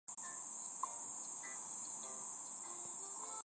引起在校学生的不满及社会媒体关注。